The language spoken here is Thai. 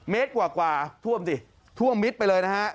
เมตรกว่าท่วมสิท่วมมิดไปเลยนะฮะ